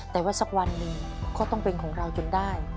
แต่ว่าสักวันหนึ่งก็ต้องเป็นของเราจนได้